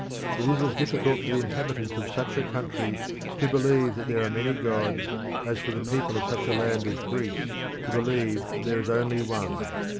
It is as difficult for the inhabitants of such a country to believe that there are many gods as for the people of such a land as Greece to believe that there is only one.